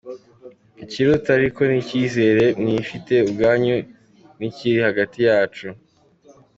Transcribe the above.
Ikiruta ariko, ni icyizere mwifitiye ubwanyu n’ikiri hagati yacu.